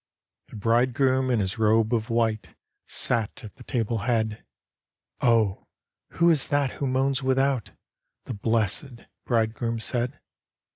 TTie Bridegroom in his robe of white. Sat at the table head— " Oh, who is that who moans without? " The blessed Brid^room said.